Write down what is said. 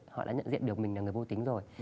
họ đã nhận diện được mình là người vô tính rồi